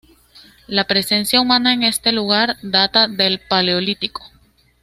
La presencia humana en este lugar data del paleolítico.